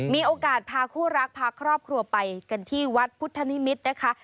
มีโอกาสพาคู่รักพาครอบครัวไปกันที่วัดพุทธนิมิตรนะคะ